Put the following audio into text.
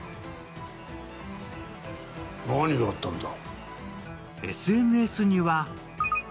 何があったんだ？